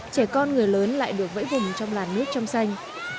trẻ con người lớn lại được vẫy vùng trong làn nước trong xanh